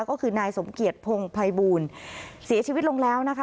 ก็คือนายสมเกียจพงภัยบูลเสียชีวิตลงแล้วนะคะ